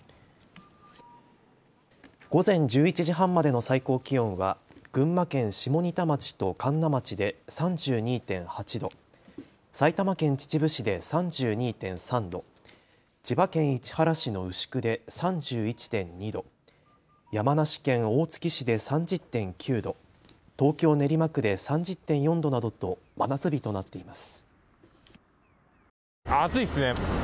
午前１１時半までの最高気温は群馬県下仁田町と神流町で３２．８度、埼玉県秩父市で３２．３度、千葉県市原市の牛久で３１．２度、山梨県大月市で３０．９度、東京練馬区で３０．４度などと真夏日となっています。